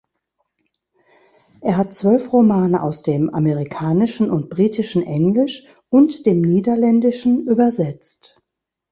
Er hat zwölf Romane aus dem amerikanischen und britischen Englisch und dem Niederländischen übersetzt.